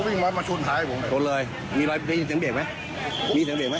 มีเสียงเบรกไหม